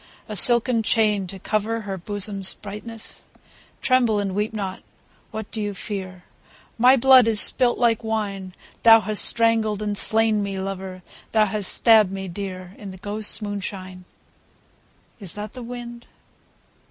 A silken chain, to cover Her bosom's brightness ? (Tremble and weep not : what dost thou fear ?)— My blood is spUt like wine, Thou hast strangled and slain me, lover. Thou hast stabbed me dear. In the ghosts' moonshine. Is that the wind